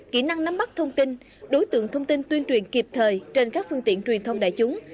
kỹ năng nắm bắt thông tin đối tượng thông tin tuyên truyền kịp thời trên các phương tiện truyền thông đại chúng